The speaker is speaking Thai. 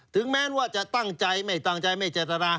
แม้ว่าจะตั้งใจไม่ตั้งใจไม่เจตนา